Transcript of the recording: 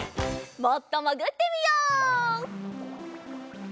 もっともぐってみよう。